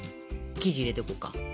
生地入れていこうか。